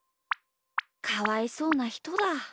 かわいそうなひとだ。